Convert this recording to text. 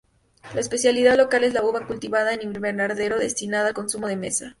La especialidad local es la uva cultivada en invernadero destinada al consumo de mesa.